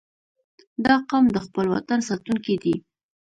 • دا قوم د خپل وطن ساتونکي دي.